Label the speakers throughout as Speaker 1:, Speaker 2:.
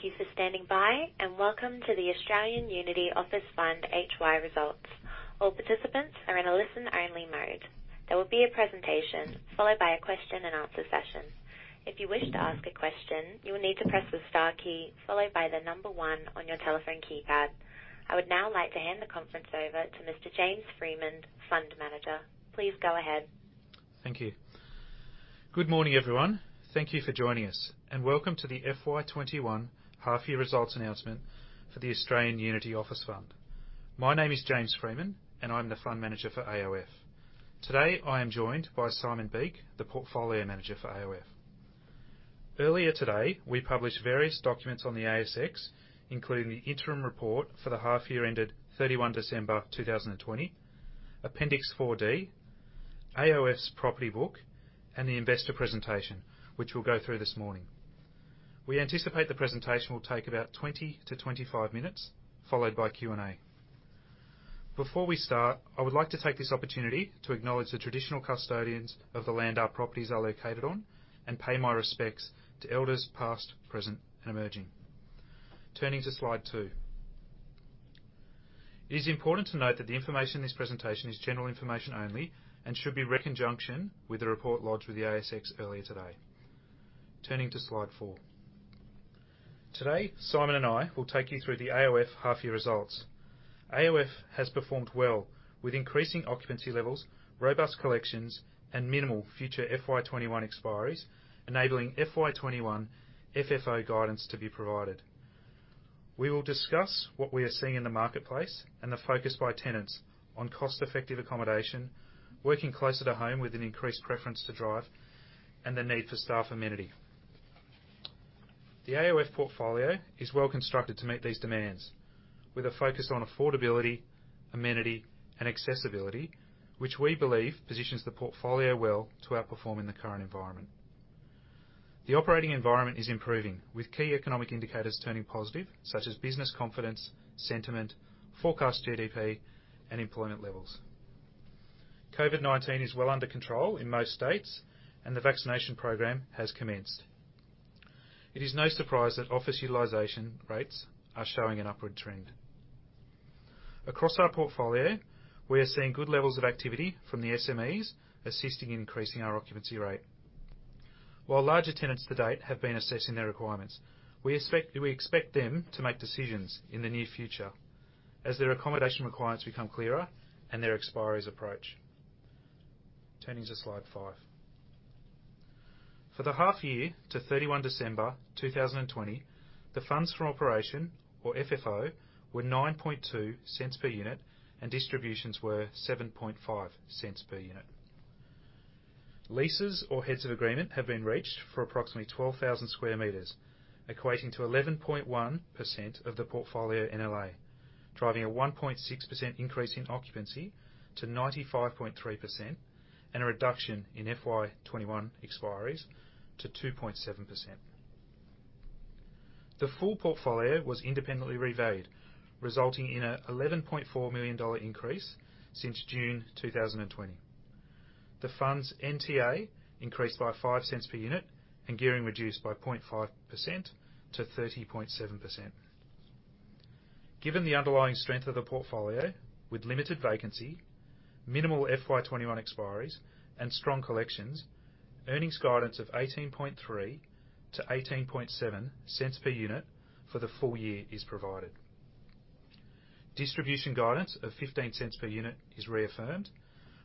Speaker 1: Thank you for standing by, and welcome to the Australian Unity Office Fund HY results. All participants are in a listen-only mode. There will be a presentation followed by a question-and-answer session. I would now like to hand the conference over to Mr. James Freeman, Fund Manager. Please go ahead.
Speaker 2: Thank you. Good morning, everyone. Thank you for joining us, and welcome to the fiscal year 2021 half year results announcement for the Australian Unity Office Fund. My name is James Freeman, and I'm the Fund Manager for AOF. Today, I am joined by Simon Beake, the Portfolio Manager for AOF. Earlier today, we published various documents on the ASX, including the interim report for the half year ended 31 December 2020, Appendix 4D, AOF property book, and the investor presentation, which we'll go through this morning. We anticipate the presentation will take about 20-25 minutes, followed by Q&A. Before we start, I would like to take this opportunity to acknowledge the traditional custodians of the land our properties are located on and pay my respects to elders past, present and emerging. Turning to slide two. It is important to note that the information in this presentation is general information only and should be read in conjunction with the report lodged with the ASX earlier today. Turning to slide four. Today, Simon and I will take you through the AOF half year results. AOF has performed well with increasing occupancy levels, robust collections and minimal future fiscal year 2021 expiries, enabling fiscal year 2021 FFO guidance to be provided. We will discuss what we are seeing in the marketplace and the focus by tenants on cost-effective accommodation, working closer to home with an increased preference to drive, and the need for staff amenity. The AOF portfolio is well constructed to meet these demands, with a focus on affordability, amenity and accessibility, which we believe positions the portfolio well to outperform in the current environment. The operating environment is improving, with key economic indicators turning positive, such as business confidence, sentiment, forecast GDP and employment levels. COVID-19 is well under control in most states and the vaccination program has commenced. It is no surprise that office utilization rates are showing an upward trend. Across our portfolio, we are seeing good levels of activity from the SMEs, assisting in increasing our occupancy rate. While larger tenants to date have been assessing their requirements, we expect them to make decisions in the near future as their accommodation requirements become clearer and their expiries approach. Turning to slide five. For the half year to 31 December 2020, the funds for operation, or FFO, were 0.092 per unit, and distributions were 0.075 per unit. Leases or heads of agreement have been reached for approximately 12,000 sq m, equating to 11.1% of the portfolio NLA, driving a 1.6% increase in occupancy to 95.3%, and a reduction in fiscal year 2021 expiries to 2.7%. The full portfolio was independently revalued, resulting in an 11.4 million dollar increase since June 2020. The fund's NTA increased by 0.05 per unit and gearing reduced by 0.5% to 30.7%. Given the underlying strength of the portfolio, with limited vacancy, minimal fiscal year 2021 expiries and strong collections, earnings guidance of 0.183-0.187 per unit for the full year is provided. Distribution guidance of 0.15 per unit is reaffirmed,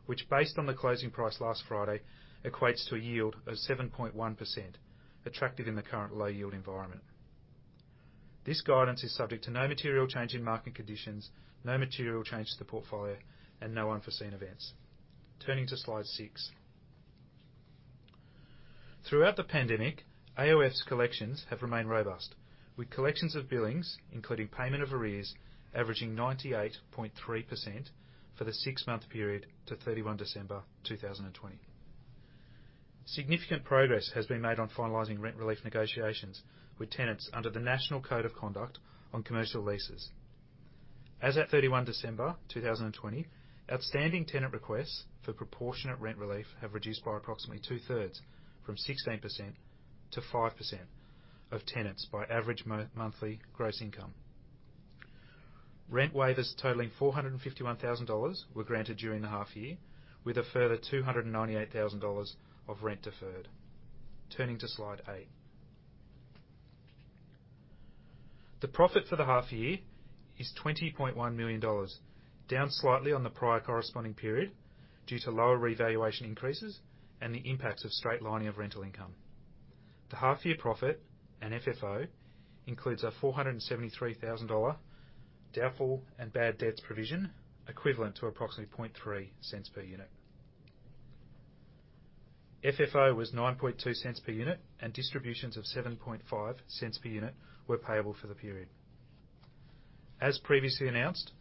Speaker 2: which, based on the closing price last Friday, equates to a yield of 7.1%, attractive in the current low yield environment. This guidance is subject to no material change in market conditions, no material change to the portfolio, and no unforeseen events. Turning to slide six. Throughout the pandemic, AOF's collections have remained robust, with collections of billings, including payment of arrears, averaging 98.3% for the six-month period to 31 December 2020. Significant progress has been made on finalizing rent relief negotiations with tenants under the National Code of Conduct for Commercial Leases. As at 31 December 2020, outstanding tenant requests for proportionate rent relief have reduced by approximately two-thirds, from 16% to 5% of tenants by average monthly gross income. Rent waivers totaling 451,000 dollars were granted during the half year, with a further 298,000 dollars of rent deferred. Turning to slide eight. The profit for the half year is AUD 20.1 million, down slightly on the prior corresponding period due to lower revaluation increases and the impacts of straightlining of rental income. The half-year profit and FFO includes a 473,000 dollar doubtful and bad debts provision, equivalent to approximately 0.003 per unit. FFO was 0.092 per unit, and distributions of 0.075 per unit were payable for the period. As previously announced,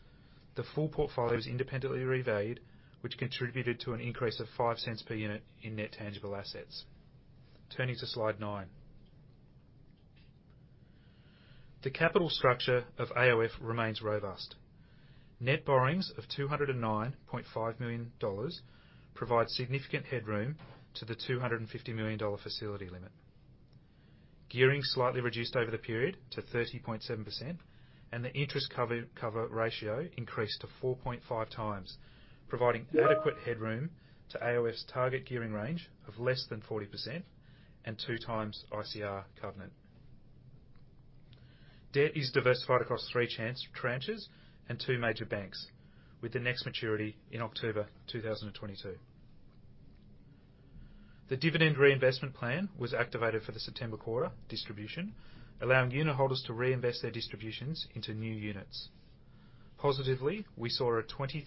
Speaker 2: the full portfolio was independently revalued, which contributed to an increase of 0.05 per unit in Net Tangible Assets. Turning to slide nine. The capital structure of AOF remains robust. Net borrowings of 209.5 million dollars provide significant headroom to the 250 million dollar facility limit. Gearing slightly reduced over the period to 30.7%, and the interest cover ratio increased to 4.5x, providing adequate headroom to AOF's target gearing range of less than 40% and 2x ICR covenant. Debt is diversified across three tranches and two major banks, with the next maturity in October 2022. The dividend reinvestment plan was activated for the September quarter distribution, allowing unit holders to reinvest their distributions into new units. Positively, we saw a 22%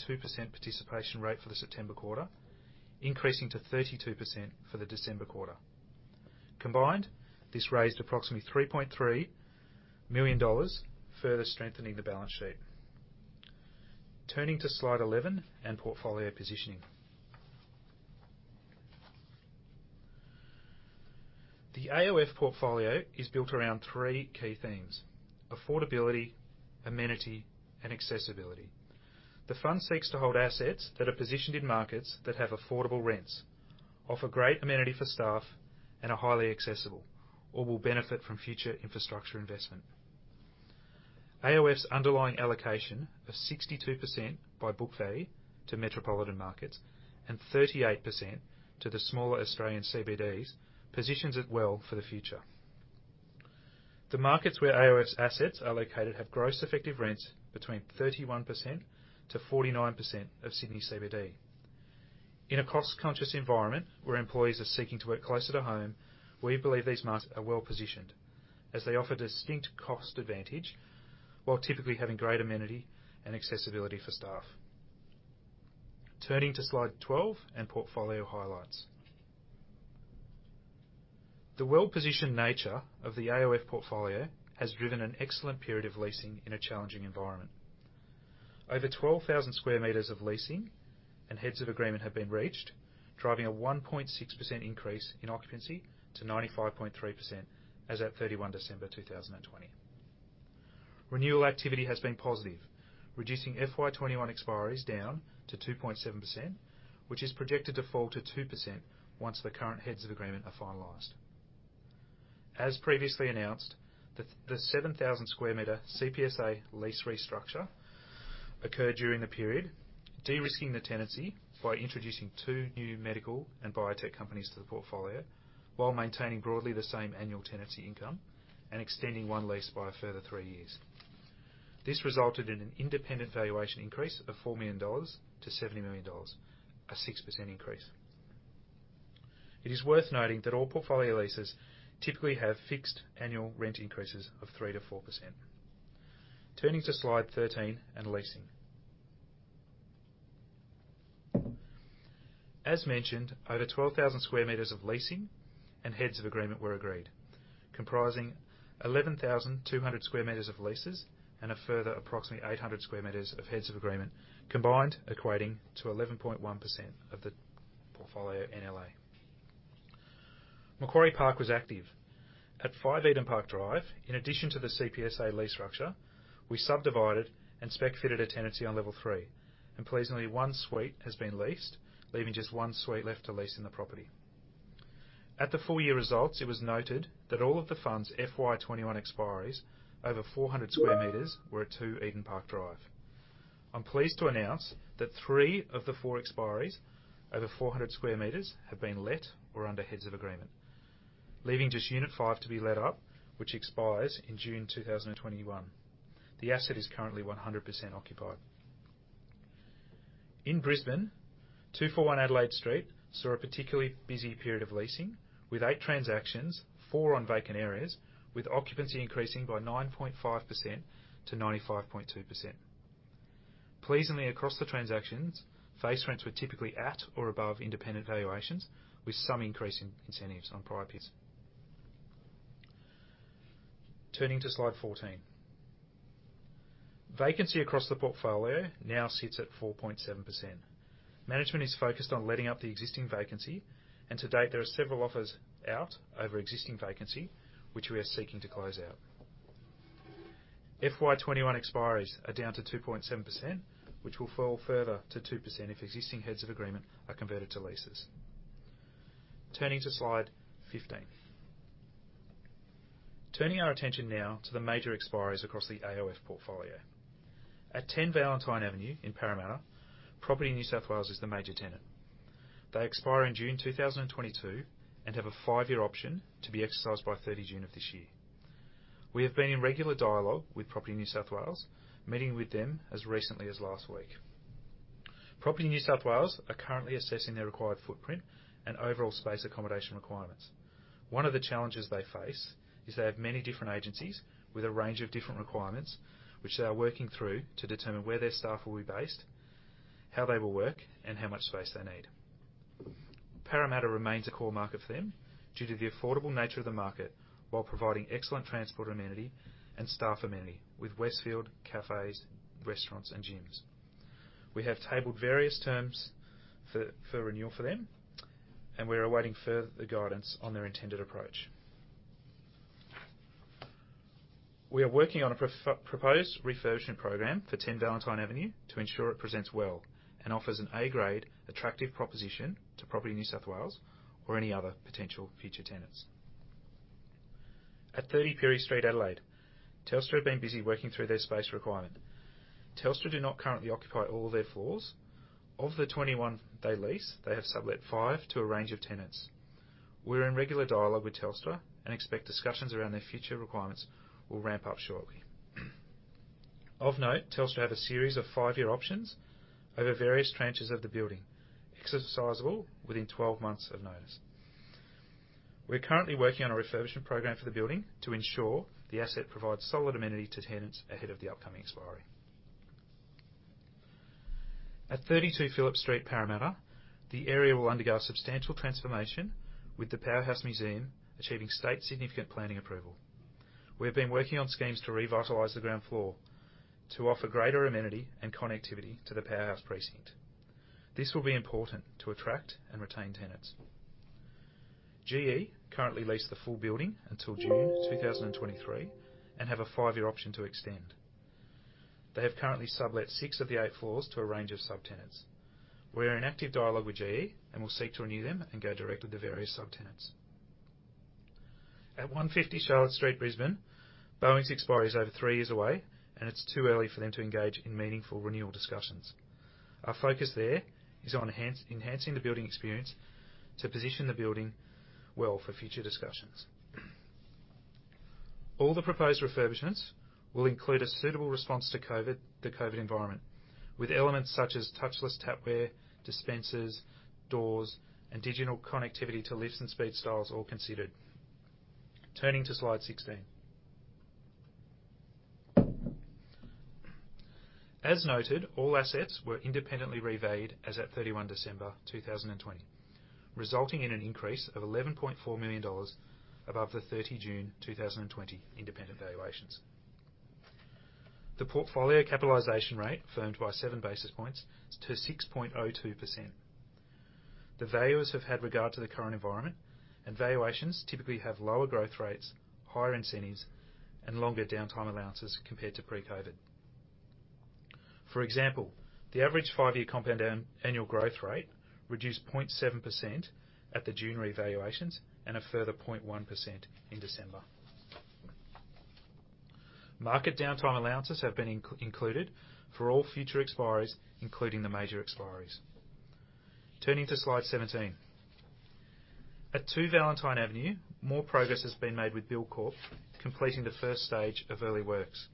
Speaker 2: participation rate for the September quarter, increasing to 32% for the December quarter. Combined, this raised approximately 3.3 million dollars, further strengthening the balance sheet. Turning to slide 11 and portfolio positioning. The AOF portfolio is built around three key themes: affordability, amenity, and accessibility. The fund seeks to hold assets that are positioned in markets that have affordable rents, offer great amenity for staff, and are highly accessible or will benefit from future infrastructure investment. AOF's underlying allocation of 62% by book value to metropolitan markets and 38% to the smaller Australian CBDs positions it well for the future. The markets where AOF's assets are located have gross effective rents between 31%-49% of Sydney CBD. In a cost-conscious environment where employees are seeking to work closer to home, we believe these markets are well-positioned as they offer distinct cost advantage, while typically having great amenity and accessibility for staff. Turning to slide 12 and portfolio highlights. The well-positioned nature of the AOF portfolio has driven an excellent period of leasing in a challenging environment. Over 12,000 sq m of leasing and heads of agreement have been reached, driving a 1.6% increase in occupancy to 95.3% as at 31 December 2020. Renewal activity has been positive, reducing fiscal year 2021 expiries down to 2.7%, which is projected to fall to 2% once the current heads of agreement are finalized. As previously announced, the 7,000 sq m CPSA lease restructure occurred during the period, de-risking the tenancy by introducing two new medical and biotech companies to the portfolio while maintaining broadly the same annual tenancy income and extending one lease by a further three years. This resulted in an independent valuation increase of 4 million dollars to 70 million dollars, a 6% increase. It is worth noting that all portfolio leases typically have fixed annual rent increases of 3%-4%. Turning to slide 13 and leasing. As mentioned, over 12,000 sq m of leasing and heads of agreement were agreed, comprising 11,200 sq m of leases and a further approximately 800 sq m of heads of agreement, combined equating to 11.1% of the portfolio NLA. Macquarie Park was active. At five Eden Park Drive, in addition to the CPSA lease structure, we subdivided and spec fitted a tenancy on level 3. Pleasantly, one suite has been leased, leaving just one suite left to lease in the property. At the full-year results, it was noted that all of the fund's fiscal year 2021 expiries over 400 sq m were at 2 Eden Park Drive. I'm pleased to announce that three of the four expiries over 400 sq m have been let or under heads of agreement, leaving just unit five to be let up, which expires in June 2021. The asset is currently 100% occupied. In Brisbane, 241 Adelaide Street saw a particularly busy period of leasing, with eight transactions, four on vacant areas, with occupancy increasing by 9.5% to 95.2%. Pleasingly across the transactions, face rents were typically at or above independent valuations, with some increasing incentives on prior leases. Turning to slide 14, vacancy across the portfolio now sits at 4.7%. Management is focused on letting up the existing vacancy, and to date, there are several offers out over existing vacancy, which we are seeking to close out. Fiscal year 2021 expiries are down to 2.7%, which will fall further to 2% if existing heads of agreement are converted to leases. Turning to slide 15. Turning our attention now to the major expiries across the AOF portfolio. At 10 Valentine Avenue in Parramatta, Property NSW is the major tenant. They expire in June 2022 and have a five-year option to be exercised by 30 June of this year. We have been in regular dialogue with Property NSW, meeting with them as recently as last week. Property NSW are currently assessing their required footprint and overall space accommodation requirements. One of the challenges they face is they have many different agencies with a range of different requirements, which they are working through to determine where their staff will be based, how they will work, and how much space they need. Parramatta remains a core market for them due to the affordable nature of the market, while providing excellent transport amenity and staff amenity with Westfield, cafes, restaurants, and gyms. We have tabled various terms for renewal for them, and we are awaiting further guidance on their intended approach. We are working on a proposed refurbishment program for 10 Valentine Avenue to ensure it presents well and offers an A-grade attractive proposition to Property NSW or any other potential future tenants. At 30 Pirie Street, Adelaide, Telstra have been busy working through their space requirement. Telstra do not currently occupy all their floors. Of the 21 they lease, they have sublet five to a range of tenants. We're in regular dialogue with Telstra and expect discussions around their future requirements will ramp up shortly. Of note, Telstra have a series of five-year options over various tranches of the building, exercisable within 12 months of notice. We're currently working on a refurbishment program for the building to ensure the asset provides solid amenity to tenants ahead of the upcoming expiry. At 32 Phillip Street, Parramatta, the area will undergo a substantial transformation, with the Powerhouse Museum achieving state significant planning approval. We have been working on schemes to revitalize the ground floor to offer greater amenity and connectivity to the powerhouse precinct. This will be important to attract and retain tenants. GE currently lease the full building until June 2023 and have a five-year option to extend. They have currently sublet six of the eight floors to a range of subtenants. We are in active dialogue with GE and will seek to renew them and go direct with the various subtenants. At 150 Charlotte Street, Brisbane, Boeing's expiry is over three years away, and it's too early for them to engage in meaningful renewal discussions. Our focus there is on enhancing the building experience to position the building well for future discussions. All the proposed refurbishments will include a suitable response to the COVID environment, with elements such as touchless tapware, dispensers, doors, and digital connectivity to lifts and speed gates all considered. Turning to slide 16. As noted, all assets were independently revalued as at 31 December 2020, resulting in an increase of AUD 11.4 million above the 30 June 2020 independent valuations. The portfolio capitalization rate firmed by seven basis points to 6.02%. The valuers have had regard to the current environment. Valuations typically have lower growth rates, higher incentives, and longer downtime allowances compared to pre-COVID. For example, the average five-year compound annual growth rate reduced 0.7% at the June revaluations and a further 0.1% in December. Market downtime allowances have been included for all future expiries, including the major expiries. Turning to slide 17. At two Valentine Avenue, more progress has been made, with Buildcorp completing the first stage of early works.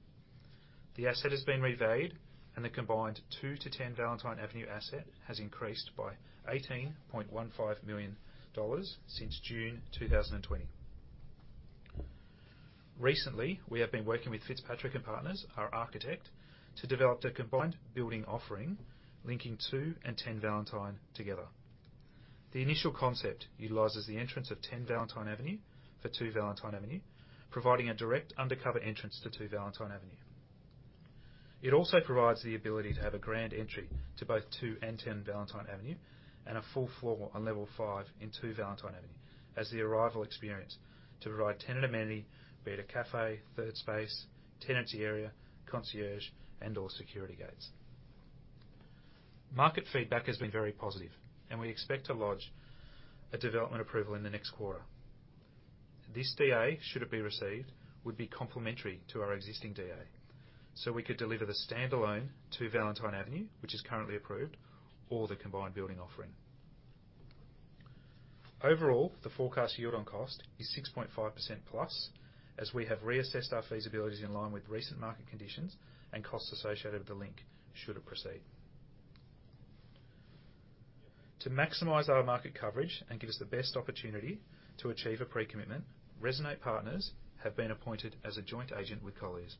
Speaker 2: The asset has been revalued, and the combined 2 to 10 Valentine Avenue asset has increased by 18.15 million dollars since June 2020. Recently, we have been working with Fitzpatrick + Partners, our architect, to develop the combined building offering, linking 2 and 10 Valentine together. The initial concept utilizes the entrance of 10 Valentine Avenue for two Valentine Avenue, providing a direct undercover entrance to 2 Valentine Avenue. It also provides the ability to have a grand entry to both 2 and 10 Valentine Avenue and a full floor on level five in 2 Valentine Avenue as the arrival experience to provide tenant amenity, be it a cafe, third space, tenancy area, concierge, and/or security gates. Market feedback has been very positive, and we expect to lodge a development approval in the next quarter. This DA, should it be received, would be complementary to our existing DA, so we could deliver the standalone 2 Valentine Avenue, which is currently approved, or the combined building offering. Overall, the forecast yield on cost is 6.5% plus, as we have reassessed our feasibilities in line with recent market conditions and costs associated with the link should it proceed. To maximize our market coverage and give us the best opportunity to achieve a pre-commitment, Resonate Partners have been appointed as a joint agent with Colliers.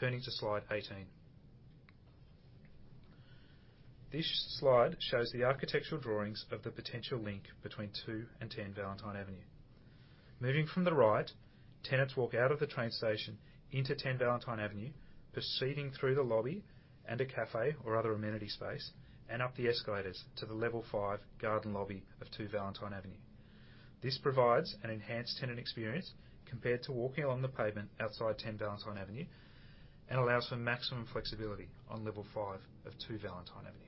Speaker 2: Turning to slide 18. This slide shows the architectural drawings of the potential link between two and 10 Valentine Avenue. Moving from the right, tenants walk out of the train station into 10 Valentine Avenue, proceeding through the lobby and a cafe or other amenity space, and up the escalators to the level five garden lobby of 2 Valentine Avenue. This provides an enhanced tenant experience compared to walking along the pavement outside 10 Valentine Avenue and allows for maximum flexibility on level five of 2 Valentine Avenue.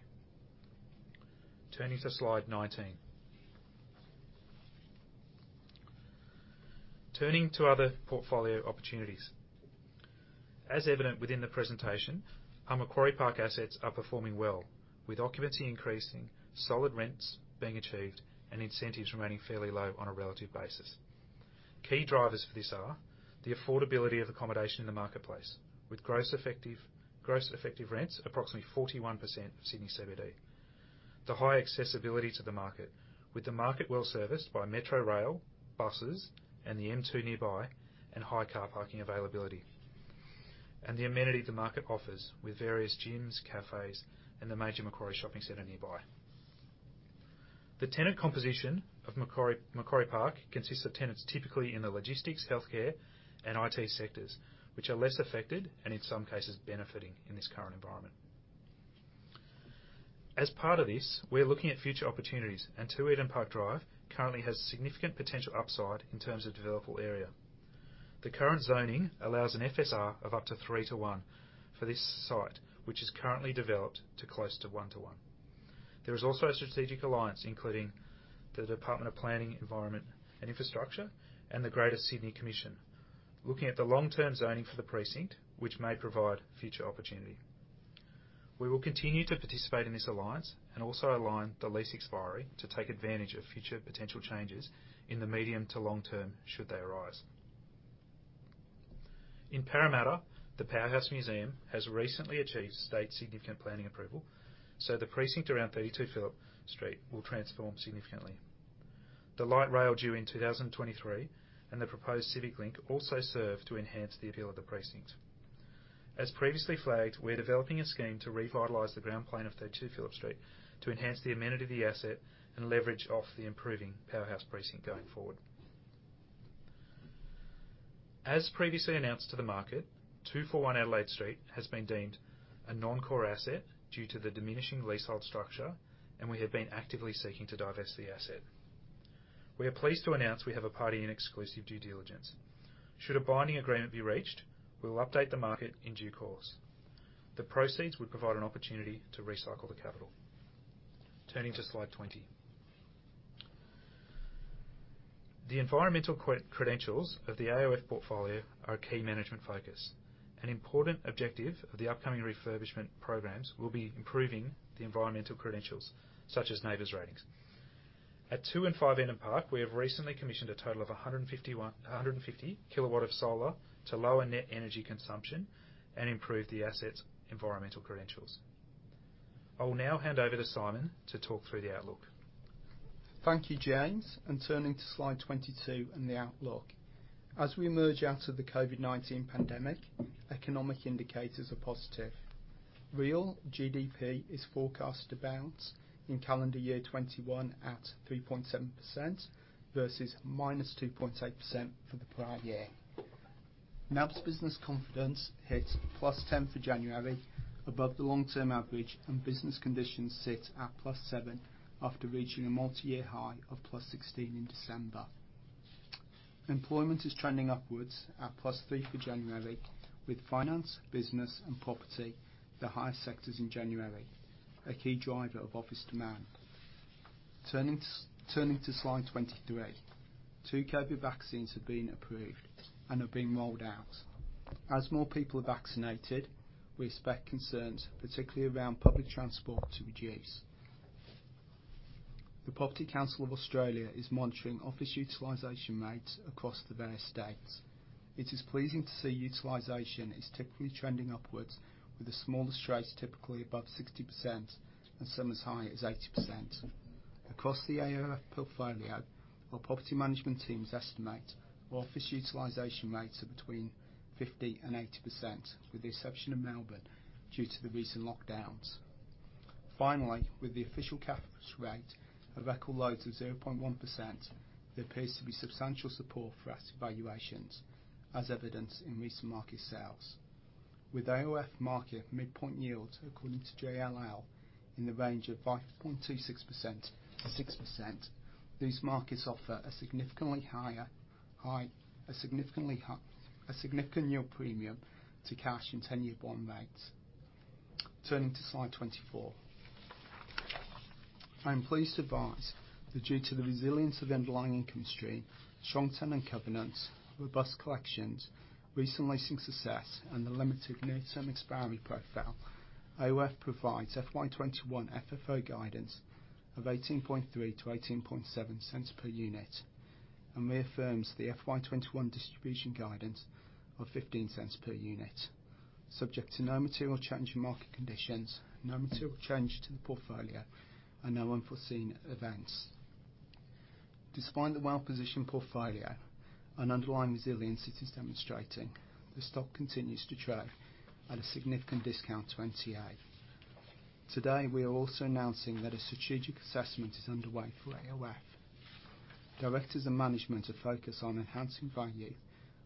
Speaker 2: Turning to slide 19. Turning to other portfolio opportunities. As evident within the presentation, our Macquarie Park assets are performing well, with occupancy increasing, solid rents being achieved, and incentives remaining fairly low on a relative basis. Key drivers for this are the affordability of accommodation in the marketplace, with gross effective rents approximately 41% of Sydney CBD, the high accessibility to the market, with the market well serviced by metro rail, buses, and the M2 nearby, and high car parking availability, and the amenity the market offers with various gyms, cafes, and the major Macquarie shopping center nearby. The tenant composition of Macquarie Park consists of tenants typically in the logistics, healthcare, and IT sectors, which are less affected and in some cases benefiting in this current environment. As part of this, we are looking at future opportunities, and 2 Eden Park Drive currently has significant potential upside in terms of developable area. The current zoning allows an FSR of up to 3:1 for this site, which is currently developed to close to 1:1. There is also a strategic alliance, including the Department of Planning, Housing and Infrastructure and the Greater Sydney Commission, looking at the long-term zoning for the precinct, which may provide future opportunity. We will continue to participate in this alliance and also align the lease expiry to take advantage of future potential changes in the medium to long term, should they arise. In Parramatta, the Powerhouse Museum has recently achieved state significant planning approval, so the precinct around 32 Phillip Street will transform significantly. The light rail due in 2023 and the proposed civic link also serve to enhance the appeal of the precinct. As previously flagged, we're developing a scheme to revitalize the ground plane of 32 Phillip Street to enhance the amenity of the asset and leverage off the improving Powerhouse precinct going forward. As previously announced to the market, 241 Adelaide Street has been deemed a non-core asset due to the diminishing leasehold structure, and we have been actively seeking to divest the asset. We are pleased to announce we have a party in exclusive due diligence. Should a binding agreement be reached, we will update the market in due course. The proceeds would provide an opportunity to recycle the capital. Turning to slide 20. The environmental credentials of the AOF portfolio are a key management focus. An important objective of the upcoming refurbishment programs will be improving the environmental credentials, such as NABERS ratings. At two and five Eden Park, we have recently commissioned a total of 150 kW of solar to lower net energy consumption and improve the asset's environmental credentials. I will now hand over to Simon to talk through the outlook.
Speaker 3: Thank you, James, turning to slide 22 and the outlook. As we emerge out of the COVID-19 pandemic, economic indicators are positive. Real GDP is forecast to bounce in calendar year 2021 at 3.7% versus -2.8% for the prior year. NAB's business confidence hits +10 for January, above the long-term average, and business conditions sit at +7 after reaching a multi-year high of +16 in December. Employment is trending upwards at +3 for January, with finance, business, and property the highest sectors in January, a key driver of office demand. Turning to slide 23. Two COVID vaccines have been approved and are being rolled out. As more people are vaccinated, we expect concerns, particularly around public transport, to reduce. The Property Council of Australia is monitoring office utilization rates across the various states. It is pleasing to see utilization is typically trending upwards, with the smallest rates typically above 60%, and some as high as 80%. Across the AOF portfolio, our property management teams estimate office utilization rates are between 50% and 80%, with the exception of Melbourne, due to the recent lockdowns. Finally, with the official cash rate of record lows of 0.1%, there appears to be substantial support for asset valuations, as evidenced in recent market sales. With AOF market midpoint yields according to JLL in the range of 5.26%-6%, these markets offer a significant yield premium to cash and 10-year bond rates. Turning to slide 24. I am pleased to advise that due to the resilience of the underlying income stream, strong tenant covenants, robust collections, recent leasing success, and the limited near-term expiry profile, AOF provides fiscal year 2021 FFO guidance of 0.183-0.187 per unit, and reaffirms the fiscal year 2021 distribution guidance of 0.15 per unit, subject to no material change in market conditions, no material change to the portfolio, and no unforeseen events. Despite the well-positioned portfolio and underlying resilience it is demonstrating, the stock continues to trade at a significant discount to NTA. Today, we are also announcing that a strategic assessment is underway for AOF. Directors and management are focused on enhancing value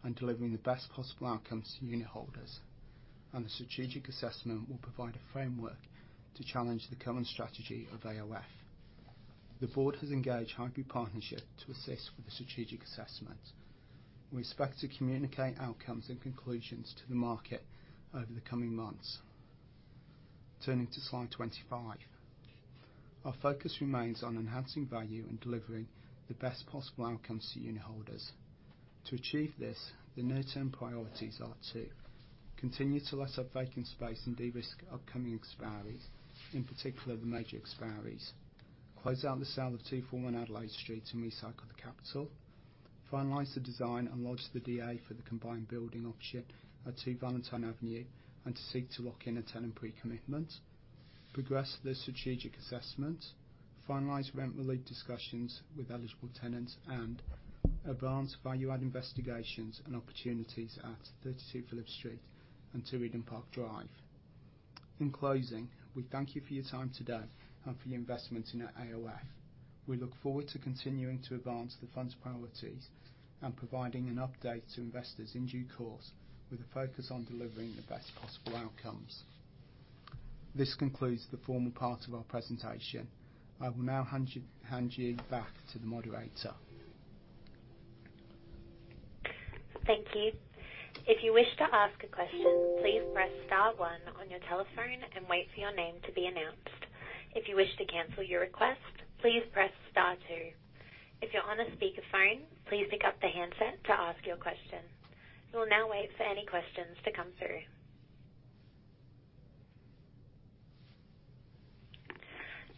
Speaker 3: and delivering the best possible outcomes to unitholders, and the strategic assessment will provide a framework to challenge the current strategy of AOF. The board has engaged Highbury Partnership to assist with the strategic assessment. We expect to communicate outcomes and conclusions to the market over the coming months. Turning to slide 25. Our focus remains on enhancing value and delivering the best possible outcomes to unitholders. To achieve this, the near-term priorities are to continue to let our vacant space and de-risk upcoming expiries, in particular, the major expiries. Close out the sale of 241 Adelaide Street and recycle the capital. Finalize the design and lodge the DA for the combined building option at 2 Valentine Avenue and to seek to lock in a tenant pre-commitment. Progress the strategic assessment, finalize rent-related discussions with eligible tenants and advance value add investigations and opportunities at 32 Phillip Street and 2 Eden Park Drive. In closing, we thank you for your time today and for your investment in AOF. We look forward to continuing to advance the fund's priorities and providing an update to investors in due course, with a focus on delivering the best possible outcomes. This concludes the formal part of our presentation. I will now hand you back to the moderator.
Speaker 1: Thank you.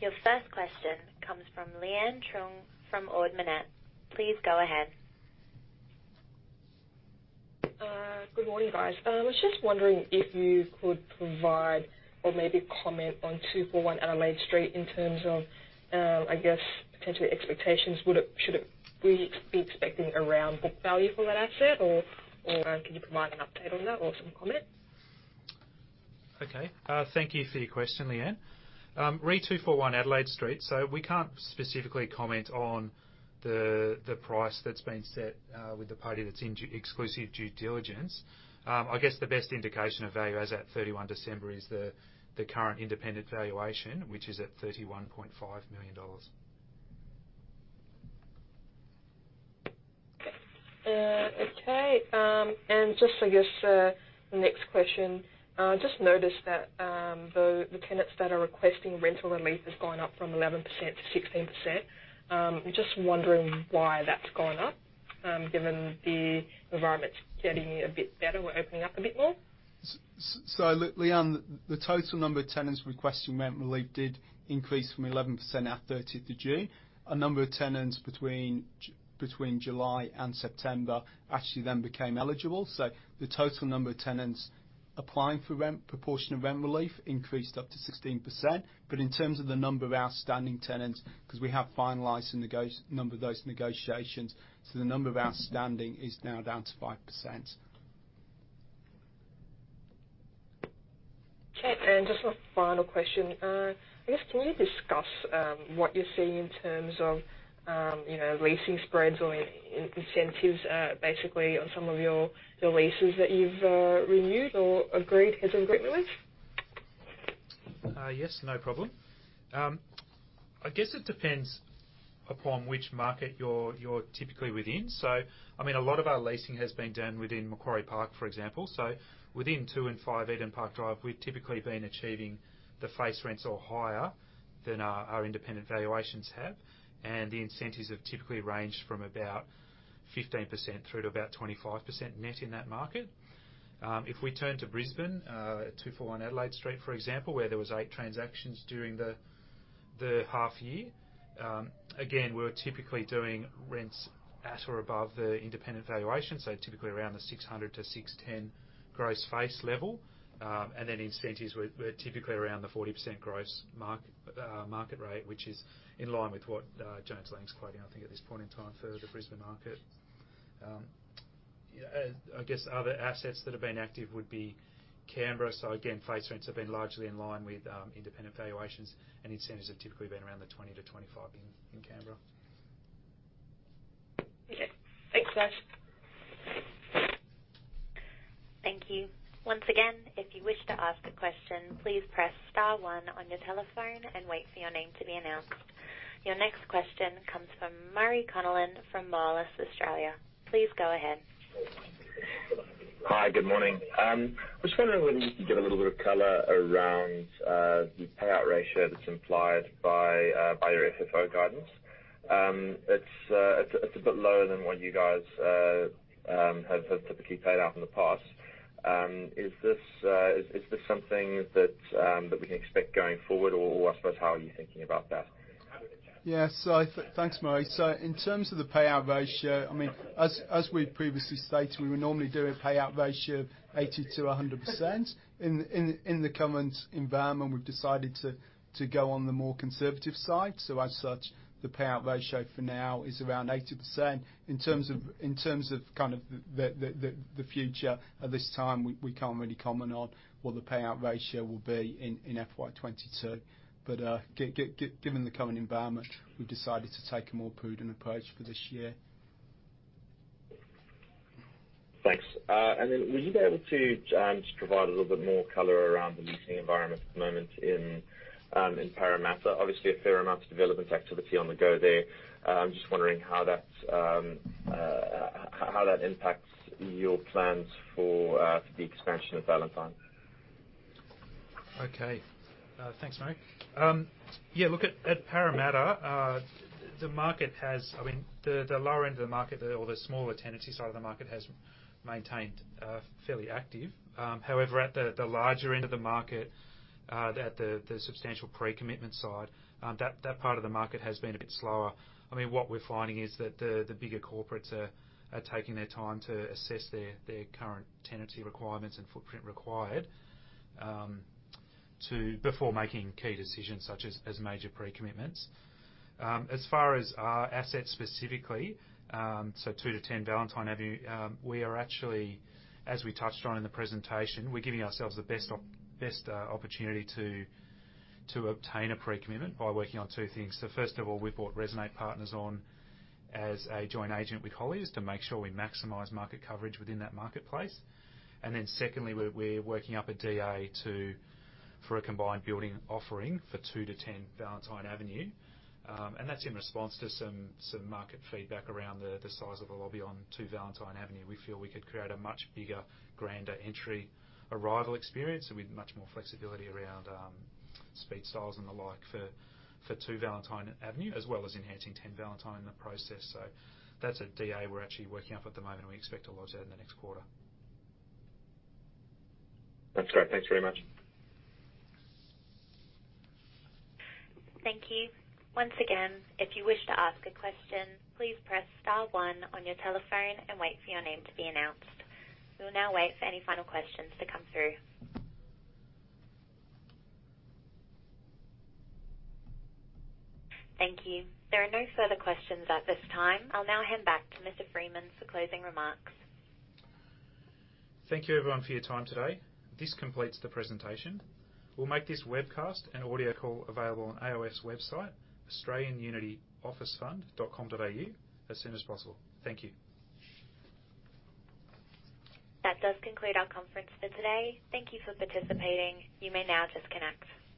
Speaker 1: Your first question comes from Leanne Truong from Ord Minnett. Please go ahead.
Speaker 4: Good morning, guys. I was just wondering if you could provide or maybe comment on 241 Adelaide Street in terms of, I guess, potentially expectations. Should we be expecting around book value for that asset or can you provide an update on that or some comment?
Speaker 2: Thank you for your question, Leanne. Re: 241 Adelaide Street, we can't specifically comment on the price that's been set with the party that's in exclusive due diligence. I guess, the best indication of value as at 31 December is the current independent valuation, which is at 31.5 million dollars.
Speaker 4: Okay. Just, I guess, the next question. Just noticed that the tenants that are requesting rental relief has gone up from 11% to 16%. We're just wondering why that's gone up, given the environment's getting a bit better. We're opening up a bit more.
Speaker 3: Leanne, the total number of tenants requesting rent relief did increase from 11% at 30th of June. A number of tenants between July and September actually then became eligible. The total number of tenants applying for rent, proportion of rent relief increased up to 16%. In terms of the number of outstanding tenants, because we have finalized a number of those negotiations, the number outstanding is now down to 5%.
Speaker 4: Okay, just one final question. I guess, can you discuss what you're seeing in terms of leasing spreads or incentives, basically, on some of your leases that you've renewed or agreed as in rent relief?
Speaker 2: Yes, no problem. I guess it depends upon which market you're typically within. A lot of our leasing has been done within Macquarie Park, for example. Within two and five Eden Park Drive, we've typically been achieving the face rents or higher than our independent valuations have, and the incentives have typically ranged from about 15% through to about 25% net in that market. If we turn to Brisbane, 241 Adelaide Street, for example, where there was eight transactions during the half year. Again, we're typically doing rents at or above the independent valuation, typically around the 600-610 gross face level. Incentives were typically around the 40% gross market rate, which is in line with what Jones Lang's quoting, I think, at this point in time for the Brisbane market. I guess other assets that have been active would be Canberra. Again, face rents have been largely in line with independent valuations, and incentives have typically been around the 20%-25% in Canberra.
Speaker 4: Okay. Thanks, guys.
Speaker 1: Thank you. Once again, if you wish to ask a question, please press star one on your telephone and wait for your name to be announced. Your next question comes from Murray Connellan from Moelis Australia. Please go ahead.
Speaker 5: Hi. Good morning. I was wondering whether you could give a little bit of color around the payout ratio that's implied by your FFO guidance. It's a bit lower than what you guys have typically paid out in the past. Is this something that we can expect going forward, or I suppose, how are you thinking about that?
Speaker 3: Yeah. Thanks, Murray. In terms of the payout ratio, as we previously stated, we would normally do a payout ratio of 80%-100%. In the current environment, we've decided to go on the more conservative side. As such, the payout ratio for now is around 80%. In terms of the future, at this time, we can't really comment on what the payout ratio will be in fiscal year 2022. Given the current environment, we've decided to take a more prudent approach for this year.
Speaker 5: Thanks. Would you be able to just provide a little bit more color around the leasing environment at the moment in Parramatta? Obviously, a fair amount of development activity on the go there. I'm just wondering how that impacts your plans for the expansion of Valentine.
Speaker 2: Okay. Thanks, Murray. Yeah, look, at Parramatta, the lower end of the market or the smaller tenancy side of the market has maintained fairly active. At the larger end of the market, at the substantial pre-commitment side, that part of the market has been a bit slower. What we're finding is that the bigger corporates are taking their time to assess their current tenancy requirements and footprint required before making key decisions such as major pre-commitments. As far as our assets specifically, 2 to 10 Valentine Avenue, we are actually, as we touched on in the presentation, we're giving ourselves the best opportunity to obtain a pre-commitment by working on two things. First of all, we've brought Resonate Partners on as a joint agent with Colliers to make sure we maximize market coverage within that marketplace. Secondly, we're working up a DA for a combined building offering for 2 to 10 Valentine Avenue. That's in response to some market feedback around the size of the lobby on 2 Valentine Avenue. We feel we could create a much bigger, grander entry arrival experience with much more flexibility around speed gates and the like for 2 Valentine Avenue, as well as enhancing 10 Valentine in the process. That's a DA we're actually working up at the moment, and we expect to launch that in the next quarter.
Speaker 5: That's great. Thanks very much.
Speaker 1: Thank you. Once again, if you wish to ask a question, please press star one on your telephone and wait for your name to be announced. We will now wait for any final questions to come through. Thank you. There are no further questions at this time. I'll now hand back to Mr. Freeman for closing remarks.
Speaker 2: Thank you, everyone, for your time today. This completes the presentation. We'll make this webcast and audio call available on AOF website, australianunityofficefund.com.au, as soon as possible. Thank you.
Speaker 1: That does conclude our conference for today. Thank you for participating. You may now disconnect.